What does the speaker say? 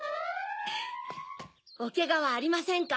おケガはありませんか？